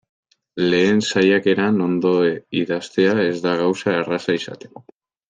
Lehen saiakeran ondo idaztea ez da gauza erraza izaten.